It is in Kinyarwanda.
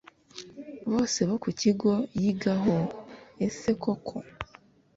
bose bo ku kigo yigaho Ese koko